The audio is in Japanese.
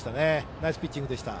ナイスピッチングでした。